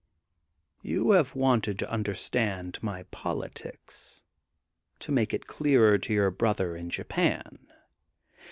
Yon have wanted to understand my poli tics, to make it clearer to your brother in Japan.